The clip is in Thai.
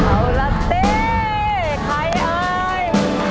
เอาล่ะเต้ใครเอ่ย